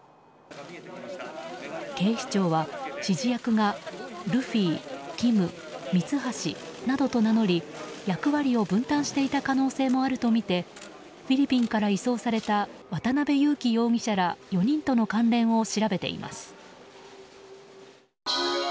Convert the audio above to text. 警視庁は、指示役がルフィ、キムミツハシなどと名乗り役割を分担していた可能性もあるとみてフィリピンから移送された渡辺優樹容疑者ら４人との関連を調べています。